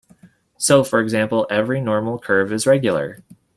So, for example, every normal curve is regular.